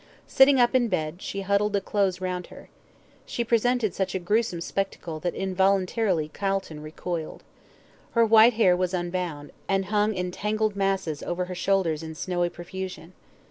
Sitting up in bed, she huddled the clothes round her. She presented such a gruesome spectacle that involuntarily Calton recoiled. Her white hair was unbound, and hung in tangled masses over her shoulders in snowy profusion.